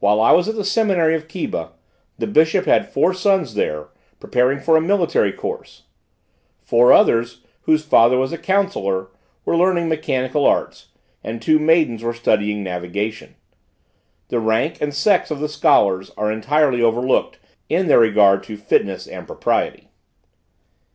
While I was at the seminary of Keba, the bishop had four sons there, preparing for a military course; four others, whose father was a counsellor, were learning mechanical arts, and two maidens were studying navigation. The rank and sex of the scholars are entirely overlooked, in their regard to fitness and propriety.